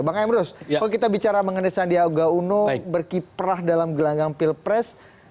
bang emrus kalau kita bicara mengenai sandiaga uno berkiprah dalam gelanggang pilpres